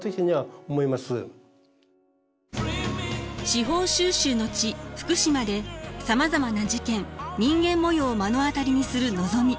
司法修習の地福島でさまざまな事件人間模様を目の当たりにするのぞみ。